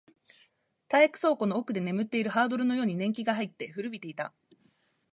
体育倉庫の奥で眠っているハードルのように年季が入って、古びていた